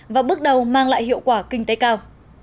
và bước đầu mang lại hiệu quả kinh tế cao